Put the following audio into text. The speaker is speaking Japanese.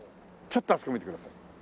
ちょっとあそこ見てください。